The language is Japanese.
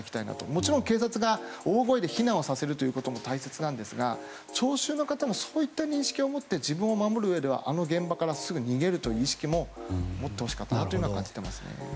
もちろん警察が大声で避難させることも大切なんですが、聴衆の方もそういった認識を持って自分を守るうえではあの現場からすぐ逃げるという意識も持ってほしかったなと。